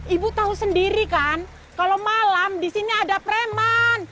ibu tahu sendiri kan kalau malam di sini ada preman